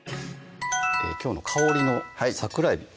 きょうの香りの桜えび